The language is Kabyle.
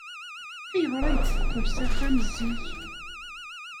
Ayɣer ay d-teqqel s axxam zik?